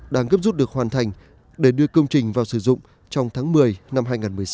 đang gấp rút được hoàn thành để đưa công trình vào sử dụng trong tháng một mươi năm hai nghìn một mươi sáu